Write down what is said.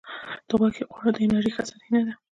د غوښې خواړه د انرژی ښه سرچینه ده.